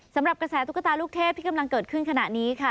สำหรับกระแสตุ๊กตาลูกเทพที่กำลังเกิดขึ้นขณะนี้ค่ะ